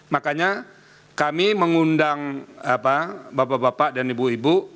makanya kami mengundang bapak bapak dan ibu ibu